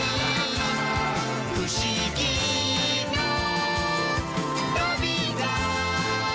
「ふしぎのとびら！」